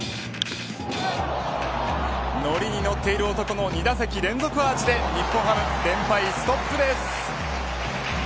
のりに乗っている男の２打席連続アーチで日本ハム、連敗ストップです。